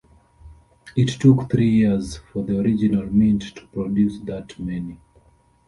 It took three years for the original mint to produce that many.